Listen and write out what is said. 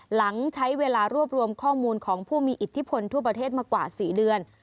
หลังใช้เวลารวบรวมข้อมูลของผู้มีอิทธิพลทั่วประเทศมากว่า๔เดือน